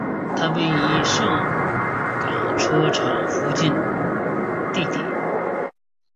它位于盛港车厂附近地底。